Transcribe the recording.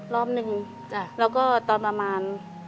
รอบหนึ่งแล้วก็ตอนประมาณ